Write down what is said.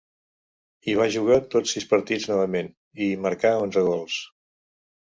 Hi va jugar tots sis partits novament, i hi marcà onze gols.